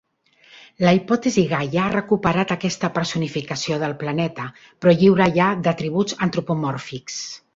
La hipòtesi Gaia ha recuperat aquesta personificació del planeta, però lliure ja d'atributs antropomòrfics.